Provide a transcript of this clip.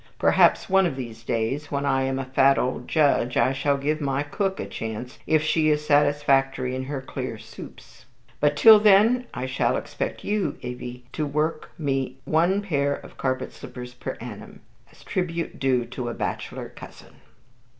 Perhaps one of these days, when I am a fat old judge, I shall give my cook a chance if she is satisfactory in her clear soups; but till then I shall expect you, Evie, to work me one pair of carpet slippers per annum, as tribute due to a bachelor cousin."